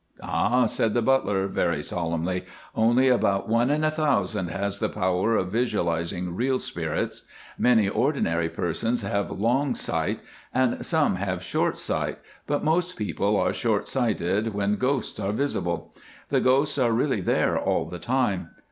"Ah!" said the butler, very solemnly, "only about one in a thousand has the power of visualising real spirits. Many ordinary persons have long sight, and some have short sight, but most people are short sighted when ghosts are visible. The ghosts are really there all the time.